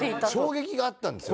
衝撃があったんですよ。